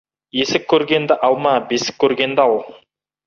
Есік көргенді алма, бесік көргенді ал.